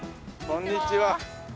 こんにちは。